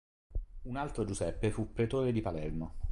Un altro Giuseppe fu pretore di Palermo.